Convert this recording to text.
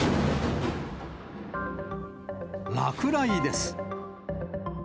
落雷です。